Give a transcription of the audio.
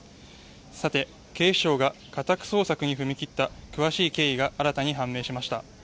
さて、警視庁が家宅捜索に踏み切った詳しい経緯が新たに判明しました。